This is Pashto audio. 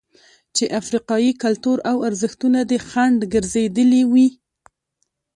چې افریقايي کلتور او ارزښتونه دې خنډ ګرځېدلي وي.